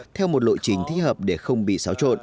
theo một lộ trình thích hợp để không bị xáo trộn